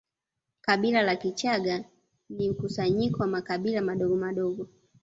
Kabila la Kichaga ni mkusanyiko wa makabila madogomadogo